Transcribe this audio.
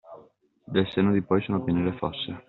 Del senno di poi, sono piene le fosse.